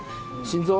心臓。